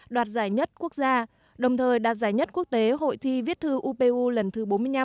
đoạt giải nhất quốc gia đồng thời đạt giải nhất quốc tế hội thi viết thư upu lần thứ bốn mươi năm